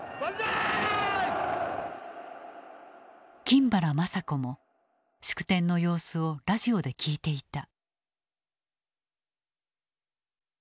金原まさ子も祝典の様子をラジオで聞いていた。